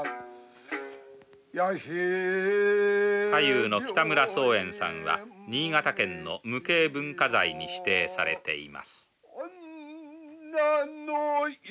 太夫の北村宗演さんは新潟県の無形文化財に指定されています